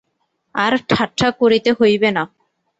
আর ঠাট্টা করিতে হইবে না।